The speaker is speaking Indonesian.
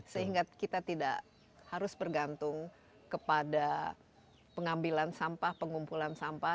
sehingga kita tidak harus bergantung kepada pengambilan sampah pengumpulan sampah